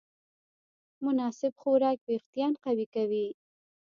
مناسب خوراک وېښتيان قوي کوي.